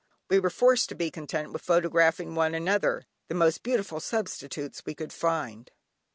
We were forced to be content with photographing one another, the most beautiful substitutes we could find.